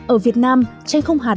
ở việt nam chanh không hạt